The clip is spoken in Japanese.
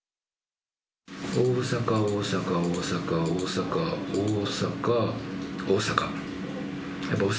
大阪、大阪、大阪、大阪、大阪、大阪。